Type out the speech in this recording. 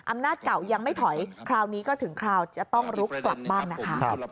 อำนาจเก่ายังไม่ถอยคราวนี้ก็ถึงคราวจะต้องลุกกลับบ้างนะคะ